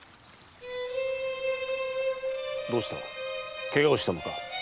どうしたケガをしたのか？